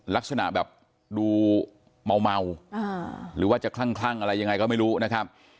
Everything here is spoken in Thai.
ลักษณะแบบดูเมาหรือว่าจะคลั่งอะไรยังไงก็ไม่รู้นะครับ